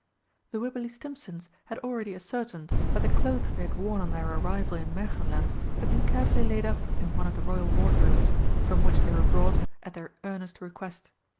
The Wibberley Stimpsons had already ascertained that the clothes they had worn on their arrival in Märchenland had been carefully laid up in one of the Royal wardrobes, from which they were brought at their earnest request.